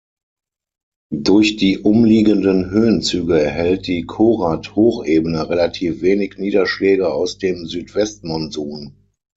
Durch die umliegenden Höhenzüge erhält die Khorat-Hochebene relativ wenig Niederschläge aus dem Südwest-Monsun.